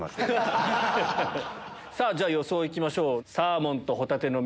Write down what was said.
じゃあ予想行きましょう。